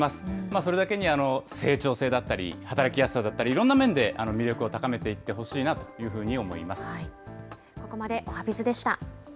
それだけに成長性だったり、働きやすさだったり、いろんな面で魅力を高めていってほしいなというふうに思います。